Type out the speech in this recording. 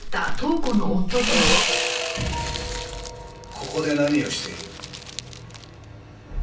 ここで何をしている？